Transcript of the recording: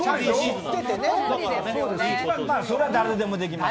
まあまあ、それは誰でもできます。